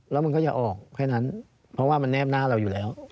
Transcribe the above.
แล้วมันก็อย่าออกแค่นั้นเพราะว่ามันแนบหน้าเราอยู่แล้ว